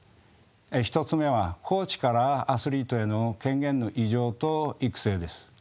１つ目はコーチからアスリートへの権限の委譲と育成です。